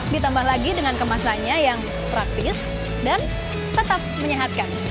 ditambah lagi dengan kemasannya yang praktis dan tetap menyehatkan